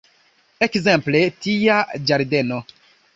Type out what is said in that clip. Ekzemple, tia ĝardeno!